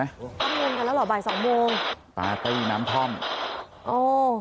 ตั้งงมกันแล้วเหรอบ่ายสองโมงปาร์ตี้น้ำท่อนโอ้